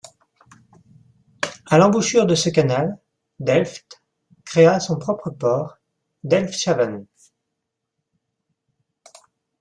À l'embouchure de ce canal, Delft créa son propre port, Delfshaven.